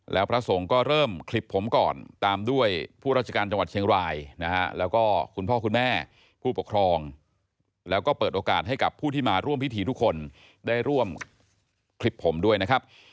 แล้วพระสงฆ์ก็เริ่มคลิปผมก่อนตามด้วยผู้ราชการจังหวัดเชียงรายนะฮะแล้วก็คุณพ่อคุณแม่ผู้ปกครองแล้วก็เปิดโอกาสให้กับผู้ที่มาร่วมพิธีทุกคนได้ร่วมคลิปผมด้วยนะครับ